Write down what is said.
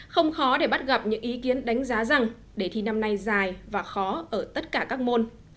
không khó để bắt gặp những ý kiến đánh giá rằng đề thi năm nay dài và khó ở tất cả các môn